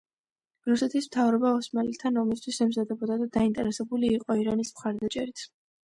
რუსეთის მთავრობა ოსმალეთთან ომისათვის ემზადებოდა და დაინტერესებული იყო ირანის მხარდაჭერით.